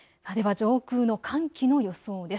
上空の寒気の予想です。